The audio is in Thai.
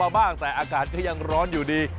บ้างแต่อากาศก็ยังร้อนอยู่ดี